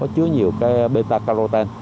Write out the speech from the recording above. chứa nhiều cái bêta carotene